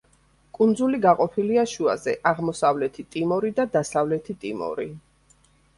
კუნძული გაყოფილია შუაზე, აღმოსავლეთი ტიმორი და დასავლეთი ტიმორი.